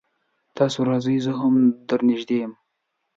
تاسو راځئ زه هم در نږدې يم